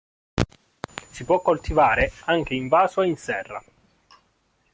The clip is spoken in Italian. Si può coltivare anche in vaso e in serra.